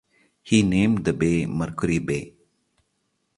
He named the bay Mercury Bay.